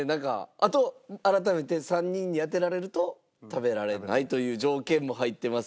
あと改めて３人に当てられると食べられないという条件も入ってます。